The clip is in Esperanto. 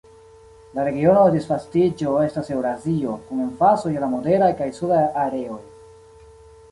La regiono de disvastiĝo estas Eŭrazio, kun emfazo je la moderaj kaj sudaj areoj.